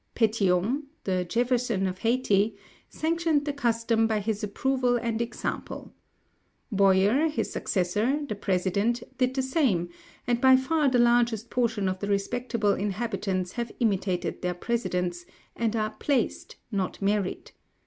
Pétion, the Jefferson of Hayti, * sanctioned the custom by his approval and example. Boyer, his successor, the president, did the same; and by far the largest portion of the respectable inhabitants have imitated their presidents, and are placed, not married.